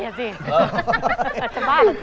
อาจจะบ้าแล้วคุณ